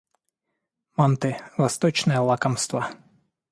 Манты - восточное лакомство.